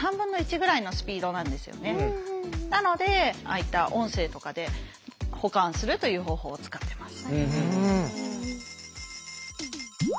あいった音声とかで補完するという方法を使ってます。